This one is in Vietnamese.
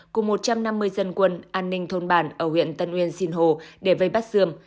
cùng một trăm năm mươi dân quân an ninh thôn bản ở huyện tân uyên sinh hồ để vây bắt dươm